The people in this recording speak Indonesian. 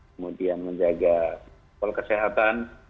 kemudian menjaga kesehatan